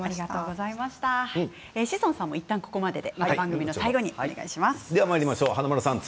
志尊さんもいったんここまでで、また番組の最後にお願いします。